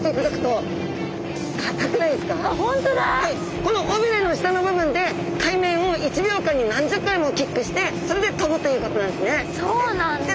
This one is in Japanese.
この尾びれの下の部分で海面を１秒間に何十回もキックしてそれで飛ぶということなんですね。